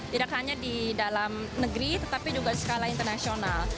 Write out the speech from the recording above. tidak hanya di dalam negeri tetapi juga skala internasional